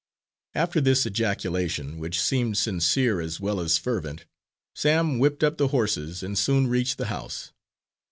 After this ejaculation, which seemed sincere as well as fervent, Sam whipped up the horses and soon reached the house.